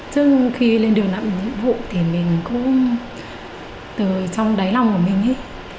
trước khi lên đường làm nhiệm vụ thì mình cũng từ trong đáy lòng của mình ấy